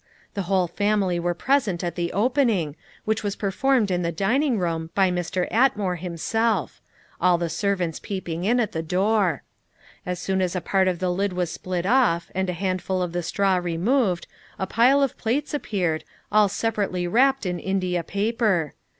The whole family were present at the opening, which was performed in the dining room by Mr. Atmore himself all the servants peeping in at the door. As soon as a part of the lid was split off, and a handful of the straw removed, a pile of plates appeared, all separately wrapped in India paper.